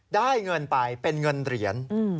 ได้เงินไปเป็นเงินเหรียญ